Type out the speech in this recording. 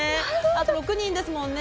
あと６人ですもんね。